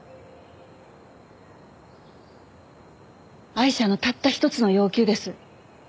アイシャのたった一つの要求です。